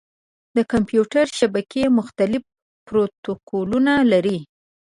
د کمپیوټر شبکې مختلف پروتوکولونه لري.